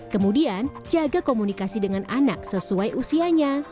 kemudian jaga komunikasi dengan anak sesuai usianya